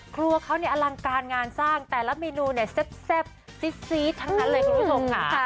ครัวเขาเนี่ยอลังการงานสร้างแต่ละเมนูเนี่ยแซ่บซีดทั้งนั้นเลยคุณผู้ชมค่ะ